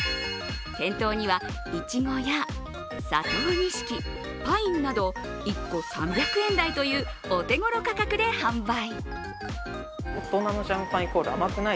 店頭にはいちごや佐藤錦、パインなど１個３００円台とお手頃価格で販売。